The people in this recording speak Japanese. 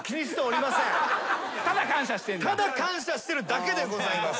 ただ感謝してるだけでございます。